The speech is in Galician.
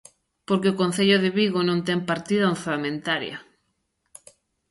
Porque o Concello de Vigo non ten partida orzamentaria.